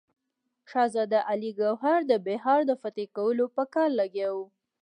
شهزاده علي ګوهر د بیهار د فتح کولو په کار لګیا وو.